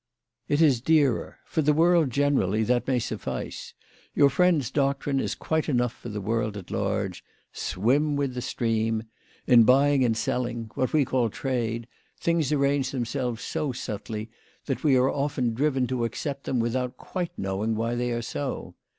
"It is dearer. For the world generally that may suffice. Your friend's doctrine is quite enough for the world at large. Swim with the stream. In buying and selling, what we call trade, things arrange them WHY FRAU FROHMANN RAISED HER PRICES. 83 selves so subtly, that we are often driven to accept them without quite knowing why they are so.